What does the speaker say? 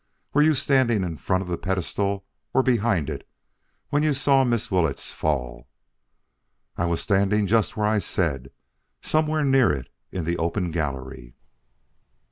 Were you standing in front of the pedestal or behind it when you saw Miss Willetts fall?" "I was standing just where I said, somewhere near it in the open gallery."